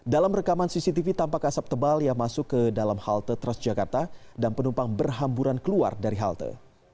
dalam rekaman cctv tampak asap tebal yang masuk ke dalam halte transjakarta dan penumpang berhamburan keluar dari halte